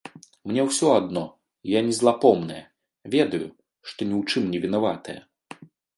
Мне ўсё адно, я не злапомная, ведаю, што ні ў чым не вінаватая.